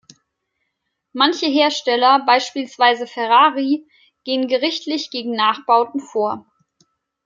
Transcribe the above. Manche Hersteller, beispielsweise Ferrari, gehen gerichtlich gegen Nachbauten vor.